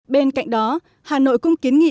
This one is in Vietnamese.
bên cạnh đó hà nội cũng kiến nghị